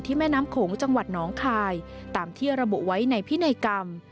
แม่น้ำโขงจังหวัดน้องคายตามที่ระบุไว้ในพินัยกรรม